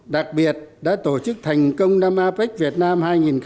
đặc biệt đã tổ chức thành công năm apec việt nam hai nghìn một mươi bảy